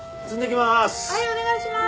はいお願いします！